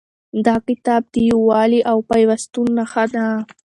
دا کتاب د یووالي او پیوستون نښه ده.